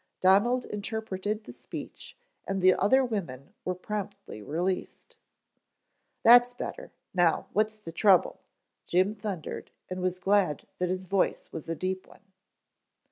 Donald interpreted the speech, and the other women were promptly released. "That's better. Now, what's the trouble," Jim thundered, and was glad that his voice was a deep one.